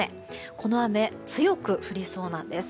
この雨強く降りそうなんです。